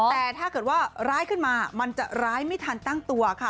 แต่ถ้าเกิดว่าร้ายขึ้นมามันจะร้ายไม่ทันตั้งตัวค่ะ